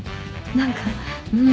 何かうん。